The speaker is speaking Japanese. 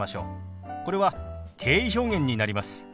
これは敬意表現になります。